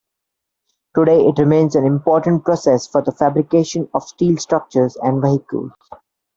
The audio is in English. Today it remains an important process for the fabrication of steel structures and vehicles.